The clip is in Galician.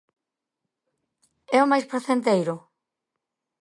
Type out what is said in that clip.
E o máis pracenteiro?